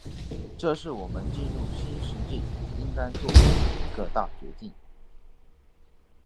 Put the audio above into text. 这是我们进入新世纪应该作出的一个大决策。